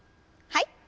はい。